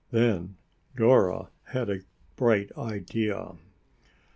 Then Dora had a bright idea.